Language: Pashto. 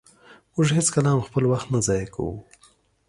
مونږ هيڅکله هم خپل وخت نه ضایع کوو.